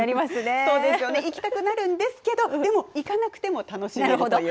そうですよね、行きたくなるんですけど、でも行かなくても楽しめるという。